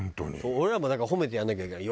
俺らもだから褒めてやらなきゃいけない。